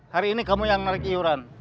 hari ini kamu yang naik iuran